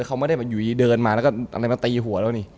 เขาไม่ได้อยู่ดีเดินมาแล้วก็มาตีหัวแล้ว